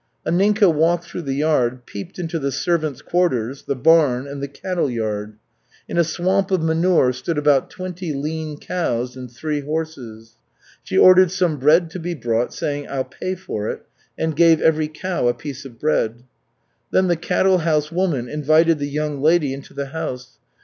Anninka walked through the yard, peeped into the servants' quarters, the barn, and the cattle yard. In a swamp of manure stood about twenty lean cows and three horses. She ordered some bread to be brought, saying, "I'll pay for it," and gave every cow a piece of bread. Then the cattle house woman invited the young lady into the house.